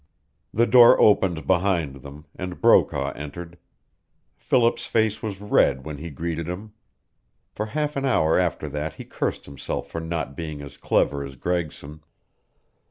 The door opened behind them and Brokaw entered. Philip's face was red when he greeted him. For half an hour after that he cursed himself for not being as clever as Gregson.